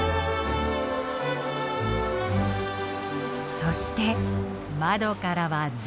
そして窓からは絶景。